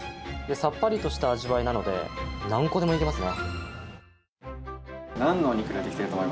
さっぱりとした味わいなので何個でもいけますね。